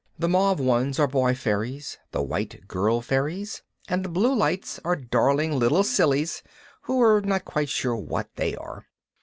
The mauve ones are boy fairies, the white, girl fairies, and the blue lights are darling little sillies who are not quite sure what they are.